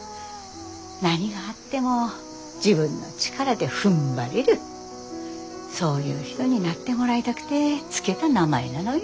何があっても自分の力でふんばれるそういう人になってもらいだくて付けだ名前なのよ。